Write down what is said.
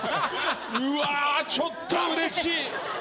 うわちょっとうれしい。